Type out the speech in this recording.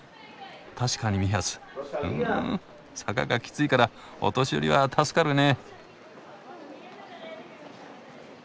確かにミハスうん坂がきついからお年寄りは助かるね。